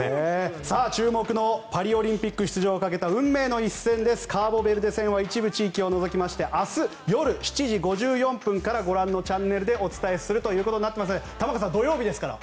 注目のパリオリンピック出場をかけた運命の一戦ですカーボベルデ戦は一部地域を除いて明日夜７時５４分からご覧のチャンネルでお伝えすることになっていますので玉川さん、土曜日ですから。